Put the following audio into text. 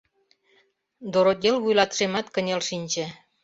Доротдел вуйлатышемат кынел шинче.